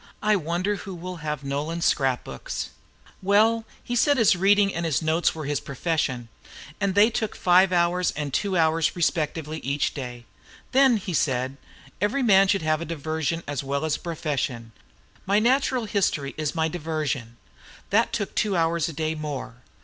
I wonder who will have Nolan's scrapbooks. Well, he said his reading and his notes were his profession, and that they took five hours and two hours respectively of each day. "Then," said he, "every man should have a diversion as well as a profession. My Natural History is my diversion." That took two hours a day more.